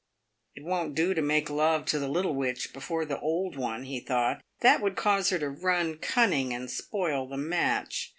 " It won't do to make love to the little witch before the old one,'* he thought. " That would cause her to run cunning and spoil the match."